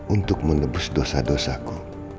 untuk menebus dosa dosaku